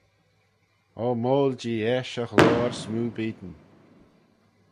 O moyll jee eisht e ghloyr smoo beayn!